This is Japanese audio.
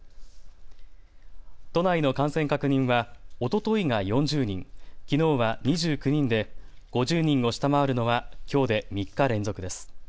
都内の感染確認はおとといが４０人、きのうは２９人で５０人を下回るのはきょうで３日連続です。